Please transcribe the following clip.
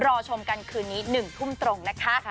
รอชมกันคืนนี้๑ทุ่มตรงนะคะ